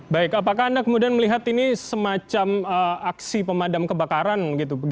baik apakah anda kemudian melihat ini semacam aksi pemadam kebakaran